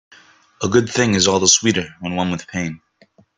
A good thing is all the sweeter when won with pain.